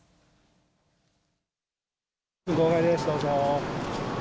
号外です、どうぞ。